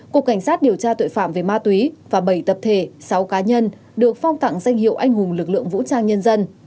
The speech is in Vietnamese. cục cảnh sát điều tra tội phạm về ma túy và bảy tập thể sáu cá nhân được phong tặng danh hiệu anh hùng lực lượng vũ trang nhân dân